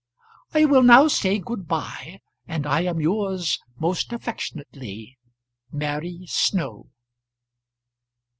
I will now say good bye, and I am yours most affectionately, MARY SNOW.